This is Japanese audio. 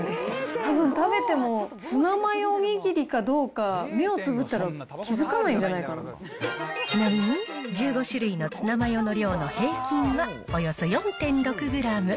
たぶん食べてもツナマヨお握りかどうか目をつぶったら気付かないちなみに、１５種類のツナマヨの量の平均はおよそ４．６グラム。